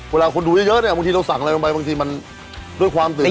เวลาคนดูเยอะเนี่ยบางทีเราสั่งอะไรลงไปบางทีมันด้วยความตื่น